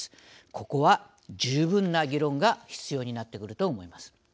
ここは十分な議論が必要になってくると思います。